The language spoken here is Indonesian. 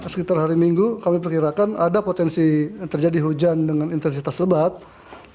sekitar hari minggu kami perkirakan ada potensi terjadi hujan dengan intensitas lebat